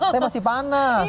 tapi masih panas